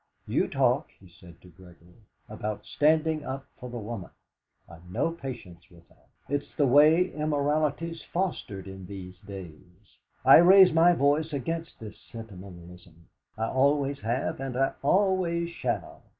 You talk," he said to Gregory, "about standing up for the woman. I've no patience with that; it's the way immorality's fostered in these days. I raise my voice against this sentimentalism. I always have, and I always shall!"